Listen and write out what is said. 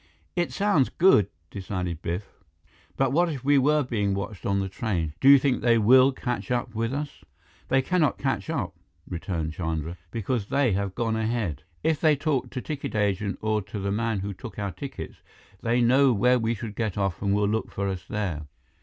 "It sounds good," decided Biff. "But what if we were being watched on the train. Do you think they will catch up with us?" "They cannot catch up," returned Chandra, "because they have gone ahead. If they talked to ticket agent or to the man who took our tickets, they know where we should get off and will look for us there."